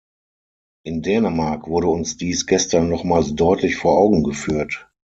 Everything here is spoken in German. In Dänemark wurde uns dies gestern nochmals deutlich vor Augen geführt.